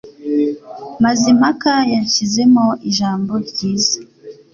Mazimpaka yanshizemo ijambo ryiza.